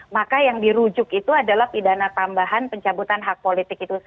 maka yang dirujuk itu adalah pidana tambahan pencabutan hak politik itu